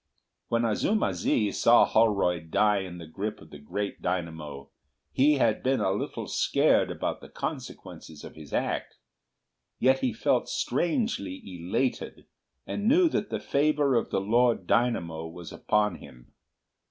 When Azuma zi saw Holroyd die in the grip of the Great Dynamo he had been a little scared about the consequences of his act. Yet he felt strangely elated, and knew that the favour of the Lord Dynamo was upon him.